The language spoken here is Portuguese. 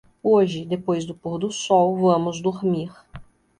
hoje, depois do pôr-do-sol, vamos dormir.